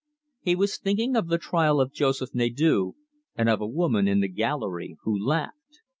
He was thinking of the trial of Joseph Nadeau, and of a woman in the gallery, who laughed.